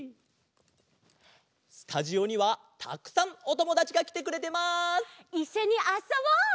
スタジオにはたくさんおともだちがきてくれてます！いっしょにあっそぼう！